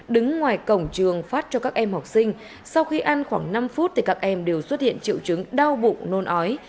đứng ngoài cổng trường phát cho các em học sinh sau khi ăn khoảng năm phút thì các em đều xuất hiện triệu chứng đau bụng nôn ói